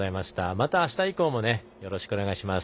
またあした以降もよろしくお願いします。